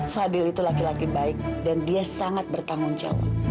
fadil itu laki laki baik dan dia sangat bertanggung jawab